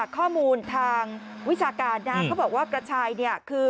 ข้อมูลทางวิชาการเขาบอกว่ากระชาย